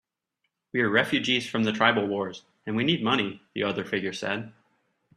"We're refugees from the tribal wars, and we need money," the other figure said.